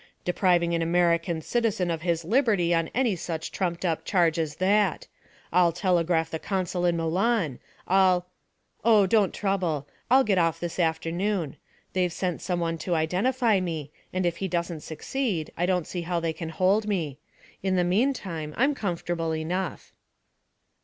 Depriving an American citizen of his liberty on any such trumped up charge as that! I'll telegraph the consul in Milan. I'll ' 'Oh, don't trouble. I'll get off this afternoon; they've sent for some one to identify me, and if he doesn't succeed, I don't see how they can hold me. In the meantime, I'm comfortable enough.'